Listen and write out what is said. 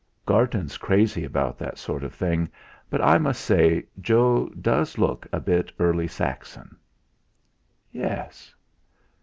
"Garton's crazy about that sort of thing; but I must say Joe does look a bit Early Saxon." "Yes."